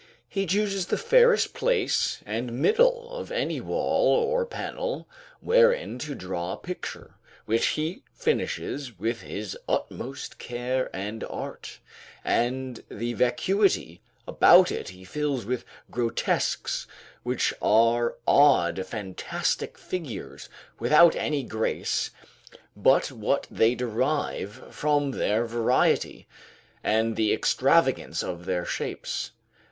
He chooses the fairest place and middle of any wall, or panel, wherein to draw a picture, which he finishes with his utmost care and art, and the vacuity about it he fills with grotesques, which are odd fantastic figures without any grace but what they derive from their variety, and the extravagance of their shapes.